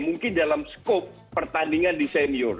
mungkin dalam skop pertandingan di senior